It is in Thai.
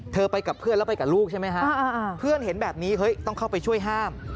ไปกับเพื่อนแล้วไปกับลูกใช่ไหมฮะเพื่อนเห็นแบบนี้เฮ้ยต้องเข้าไปช่วยห้าม